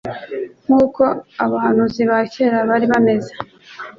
Nk'uko abahanuzi ba kera bari bameze,